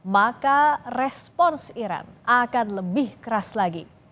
maka respons iran akan lebih keras lagi